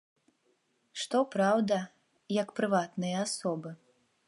Што праўда, як прыватныя асобы.